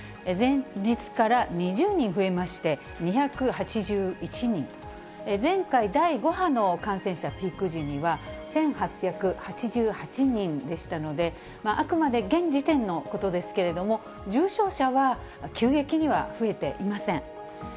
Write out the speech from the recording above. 前日から２０人増えまして、２８１人と、前回、第５波の感染者ピーク時には、１８８８人でしたので、あくまで現時点のことですけれども、重症者は急激には増えていません。